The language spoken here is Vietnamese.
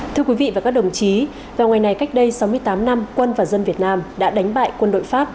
thưa quý vị và các đồng chí vào ngày này cách đây sáu mươi tám năm quân và dân việt nam đã đánh bại quân đội pháp